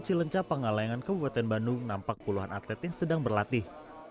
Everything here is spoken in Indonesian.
cilencah pengalangan kebupaten bandung nampak puluhan atlet yang sedang berlatih